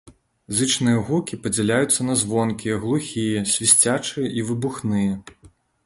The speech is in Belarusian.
Зычныя гукі падзяляюцца на звонкія, глухія, свісцячыя і выбухныя.